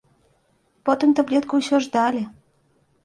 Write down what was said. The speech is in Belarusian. Потым таблетку ўсё ж далі.